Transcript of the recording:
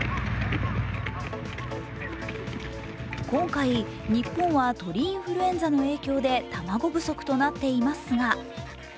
今回、日本は鳥インフルエンザの影響で卵不足となっています